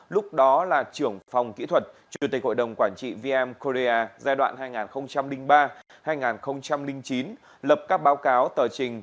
lúc đó là trưởng phòng kỹ thuật chủ tịch hội đồng quản trị vm korea giai đoạn hai nghìn ba hai nghìn chín lập các báo cáo tờ trình